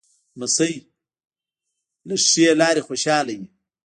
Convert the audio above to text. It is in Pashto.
لمسی له ښې لاره خوشحاله وي.